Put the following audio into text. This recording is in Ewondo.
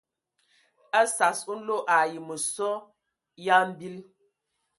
A sas nlo ai məsɔ ya mbil.